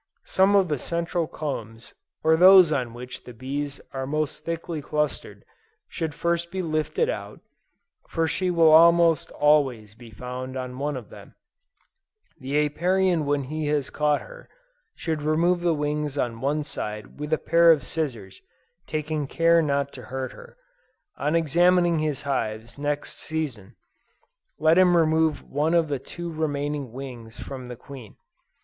Some of the central combs or those on which the bees are most thickly clustered, should be first lifted out, for she will almost always be found on one of them; the Apiarian when he has caught her, should remove the wings on one side with a pair of scissors taking care not to hurt her. On examining his hives next season, let him remove one of the two remaining wings from the queen.